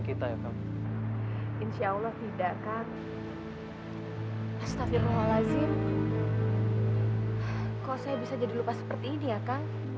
kita ya kang insyaallah tidak kang astagfirullahaladzim kok saya bisa jadi lupa seperti ini ya kang